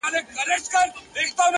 هره ورځ د غوره کېدو نوی انتخاب دی.